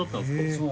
そう。